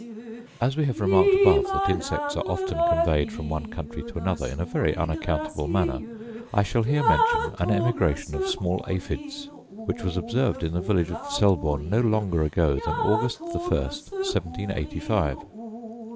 As we have remarked above that insects are often conveyed from one country to another in a very unaccountable manner, I shall here mention an emigration of small aphides, which was observed in the village of Selborne no longer ago than August the 1st, 1785.